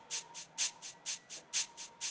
saya harus kerja